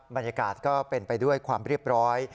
บรรยากาศก็เป็นไปด้วยความเรียบร้อย